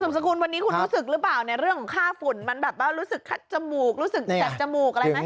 สุ่มสกุลวันนี้คุณรู้สึกหรือเปล่าในเรื่องข้าฝุ่นรู้สึกแคล็ดจมูก